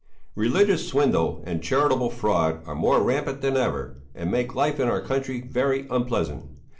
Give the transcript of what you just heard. Religious swindle and charitable fraud are more rampant than ever, and make life in our country very unpleasant.